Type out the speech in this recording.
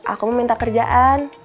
aku mau minta kerjaan